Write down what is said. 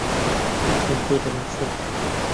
گوتیان تۆ دەناسن.